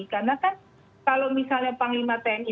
karena kan kalau misalnya panglima tni